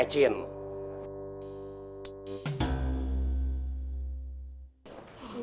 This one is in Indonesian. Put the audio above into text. tidak ada yang mencari